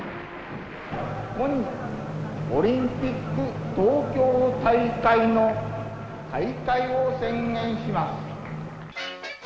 本日、オリンピック東京大会の開会を宣言します。